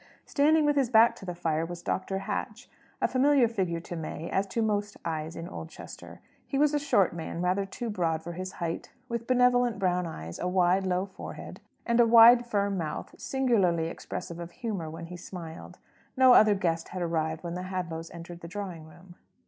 Standing with his back to the fire, was Dr. Hatch: a familiar figure to May, as to most eyes in Oldchester. He was a short man, rather too broad for his height; with benevolent brown eyes, a wide, low forehead, and a wide, firm mouth, singularly expressive of humour when he smiled. No other guest had arrived when the Hadlows entered the drawing room.